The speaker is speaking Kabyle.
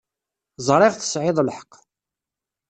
Ẓṛiɣ tesɛiḍ lḥeq.